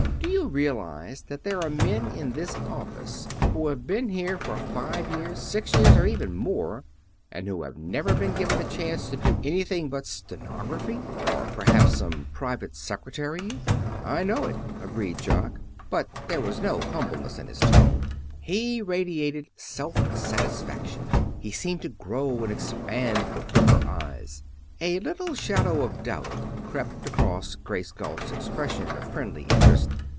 "Do you realize that there are men in this office who have been here for five years, six years, or even more, and who have never been given a chance to do anything but stenography, or perhaps some private secretarying?" "I know it," agreed Jock. But there was no humbleness in his tone. He radiated self satisfaction. He seemed to grow and expand before her eyes. A little shadow of doubt crept across Grace Galt's expression of friendly interest.